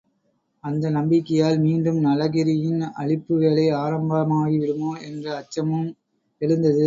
அந்த நம்பிக்கையால் மீண்டும் நளகிரியின் அழிப்பு வேலை ஆரம்பமாகி விடுமோ? என்ற அச்சமும் எழுந்தது.